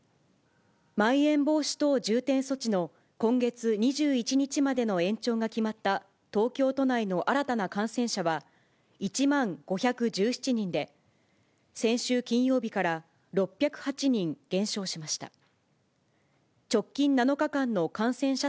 まん延防止等重点措置の今月２１日までの延長が決まった東京都内の新たな感染者は、１万５１７人で、先週金曜日から６０８人減少しました。